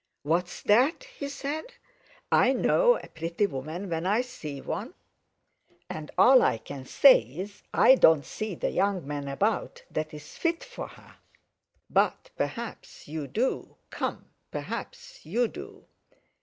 "What's that?" he said. "I know a—pretty—woman when I see one, and all I can say is, I don't see the young man about that's fit for her; but perhaps—you—do, come, perhaps—you do!"